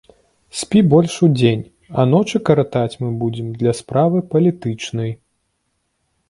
Спі больш удзень, а ночы каратаць мы будзем для справы палітычнай.